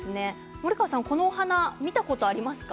森川さん、このお花見たことありますか？